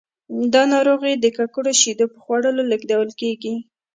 دا ناروغي د ککړو شیدو په خوړلو لیږدول کېږي.